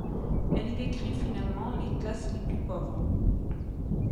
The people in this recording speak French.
Elle y décrit finement les classes les plus pauvres.